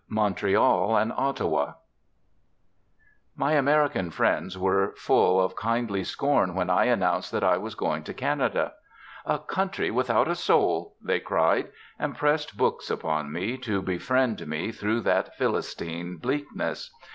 V MONTREAL AND OTTAWA My American friends were full of kindly scorn when I announced that I was going to Canada. 'A country without a soul!' they cried, and pressed books upon me, to befriend me through that Philistine bleakness.